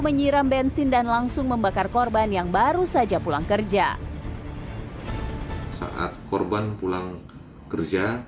menyiram bensin dan langsung membakar korban yang baru saja pulang kerja saat korban pulang kerja